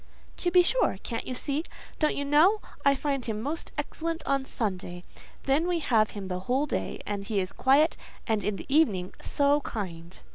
"To be sure! Can't you see? Don't you know? I find him the most excellent on a Sunday; then we have him the whole day, and he is quiet, and, in the evening, so kind."